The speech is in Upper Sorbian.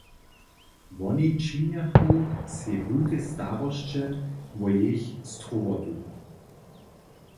Woni činjachu sej wulke starosće wo jich strowotu.